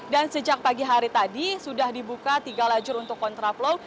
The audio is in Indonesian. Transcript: dan sejak pagi hari tadi sudah dibuka tiga lajur untuk kontraplow